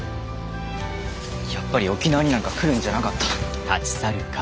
やっぱり沖縄になんか来るんじゃなかった。